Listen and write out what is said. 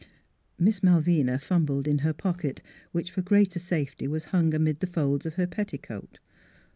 Miss Malvina fumbled in her pocket, which for greater safety was hung amid the folds of her petticoat.